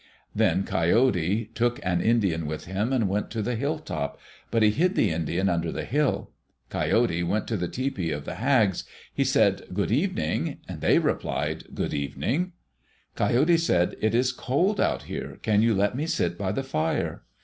Then Coyote took an Indian with him and went to the hill top, but he hid the Indian under the hill. Coyote went to the tepee of the hags. He said, "Good evening." They replied, "Good evening." Coyote said, "It is cold out here. Can you let me sit by the fire?"